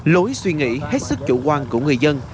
lối suy nghĩ hết sức chủ quan của người dân